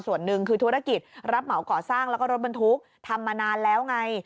ส่วนหนึ่งคือธุรกิจรับเหมาก่อสร้างแล้วก็รถบรรทุกทำมานานแล้วไง